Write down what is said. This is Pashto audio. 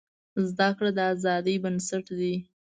زده کړه د ازادۍ بنسټ دی.